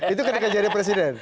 itu ketika jadi presiden